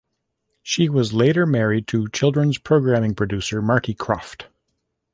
She was later married to children's programming producer Marty Krofft.